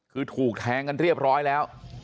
คือถูกแทงกันเรียบร้อยแล้ว